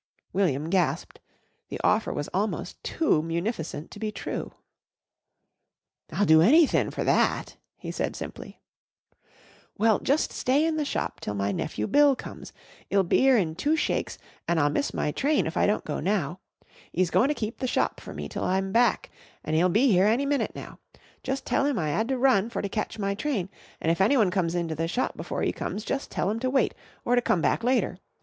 William gasped. The offer was almost too munificent to be true. "I'll do anythin' for that," he said simply. "Well, just stay in the shop till my nephew Bill comes. 'E'll be 'ere in two shakes an' I'll miss my train if I don't go now. 'E's goin' to keep the shop for me till I'm back an' 'e'll be 'ere any minute now. Jus' tell 'im I 'ad to run for to catch my train an' if anyone comes into the shop before 'e comes jus' tell 'em to wait or to come back later.